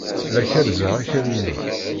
La kerrzeɣ akal-inu.